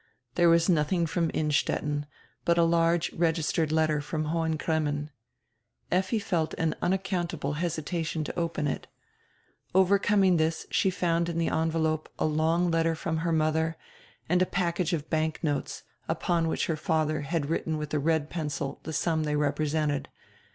There was nothing from Innstet ten, but a large registered letter from Hohen Cremmen. Effi felt an unaccountable hesitation to open it. Overcom ing this she found in the envelope a long letter from her mother and a package of banknotes, upon which her father had written with a red pencil the sum they represented.